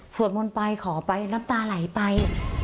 สวดมนต์ไปขอไปน้ำตาไหลไป